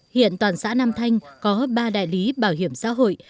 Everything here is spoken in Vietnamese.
hiện toàn xã nam thanh có ba đại lý bảo hiểm xã hội